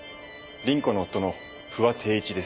倫子の夫の不破貞一です。